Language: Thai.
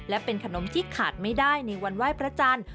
และเป็นขนมที่ขาดไม่ได้ในวันไหว้พระจันทร์